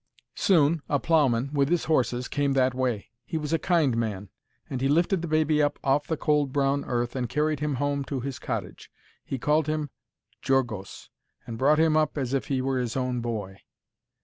Soon a ploughman, with his horses, came that way. He was a kind man, and he lifted the baby up off the cold brown earth and carried him home to his cottage. He called him Georgos, and brought him up as if he were his own boy.